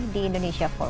di indonesia forum